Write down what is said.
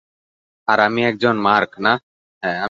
আর আমি একজন মার্ক, না?